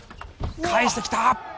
返してきた！